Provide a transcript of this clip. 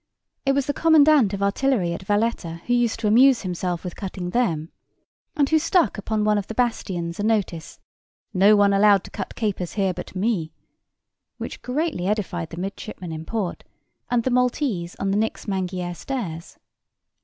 It was the commandant of artillery at Valetta who used to amuse himself with cutting them, and who stuck upon one of the bastions a notice, "No one allowed to cut capers here but me," which greatly edified the midshipmen in port, and the Maltese on the Nix Mangiare stairs.